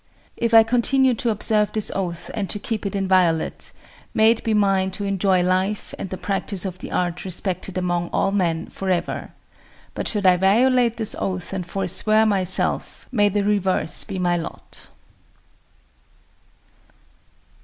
If I continue to observe this oath and to keep it inviolate, may it be mine to enjoy life and the practice of the Art respected among all men for ever. But should I violate this oath and forswear myself, may the reverse be my lot."